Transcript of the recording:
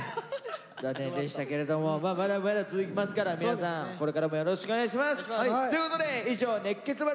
残念でしたけれどもまあまだまだ続きますから皆さんこれからもよろしくお願いします！ということで以上「熱血バトルジャニソン！